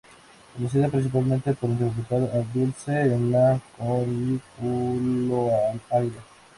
Conocida principalmente por interpretar a Dulce en la Con el culo al aire.